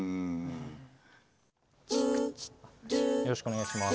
よろしくお願いします。